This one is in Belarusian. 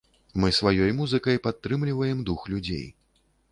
Мы сваёй музыкай падтрымліваем дух людзей.